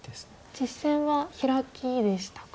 実戦はヒラキでしたか。